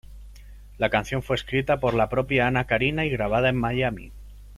La canción fue escrita por la propia Anna Carina y grabada en Miami.